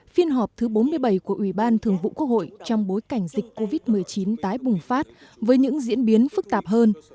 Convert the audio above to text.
phiên họp thứ bốn mươi bảy của ubthqh trong bối cảnh dịch covid một mươi chín tái bùng phát với những diễn biến phức tạp hơn